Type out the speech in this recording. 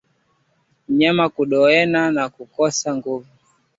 Mnyama kukondeana na kukosa nguvu